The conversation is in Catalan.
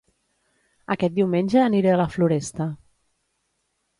Aquest diumenge aniré a La Floresta